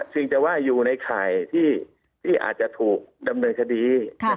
จึงจะว่าอยู่ในข่ายที่อาจจะถูกดำเนินคดี